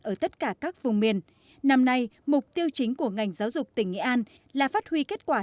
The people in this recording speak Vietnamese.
ở tất cả các vùng miền năm nay mục tiêu chính của ngành giáo dục tỉnh nghệ an là phát huy kết quả